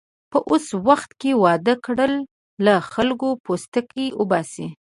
په اوس وخت کې واده کړل، له خلکو پوستکی اوباسي.